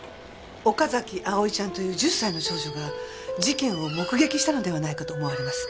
岡崎葵ちゃんという１０歳の少女が事件を目撃したのではないかと思われます。